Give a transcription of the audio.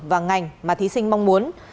và ngành mà thí sinh mong muốn